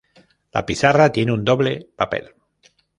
La pizarra tiene un doble papel.